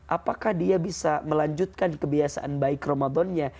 apakah dia bisa melanjutkan kebiasaan baik ramadannya